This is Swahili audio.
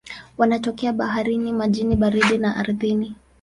Wanatokea baharini, majini baridi na ardhini.